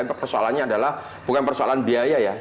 tapi persoalannya adalah bukan persoalan belanda tapi persoalan belanda